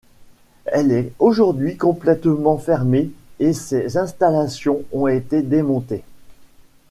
Elle est aujourd'hui complètement fermée et ses installations ont été démontées.